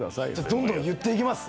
どんどん言っていきます。